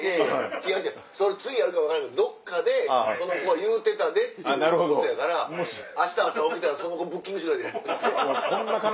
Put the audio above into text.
違う違うその次やるか分からんけどどっかでその子が言うてたでっていうことやから明日朝起きたらその子ブッキングするわけじゃなくて。